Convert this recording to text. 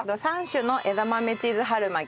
３種の枝豆チーズ春巻きです。